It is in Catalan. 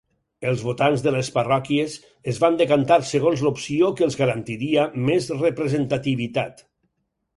Els votants de les parròquies es van decantar segons l'opció que els garantiria més representativitat.